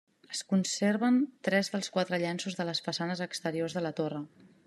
Es conserven tres dels quatre llenços de les façanes exteriors de la torre.